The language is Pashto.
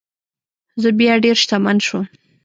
زه بیا ډیر شتمن شوم.